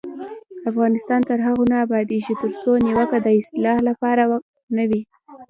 افغانستان تر هغو نه ابادیږي، ترڅو نیوکه د اصلاح لپاره نه وي.